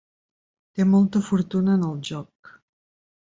Té molta fortuna en el joc.